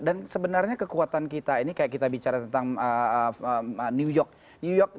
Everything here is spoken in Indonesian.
dan sebenarnya kekuatan kita ini kayak kita bicara tentang new york